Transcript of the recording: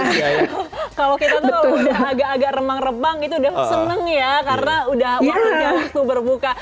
kalau kita tuh udah agak agak remang rebang itu udah seneng ya karena udah waktu berbuka